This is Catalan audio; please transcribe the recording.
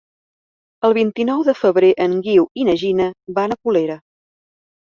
El vint-i-nou de febrer en Guiu i na Gina van a Colera.